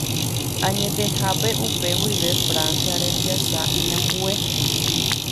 Añetehápe upe guive Francia rembiasa iñambue.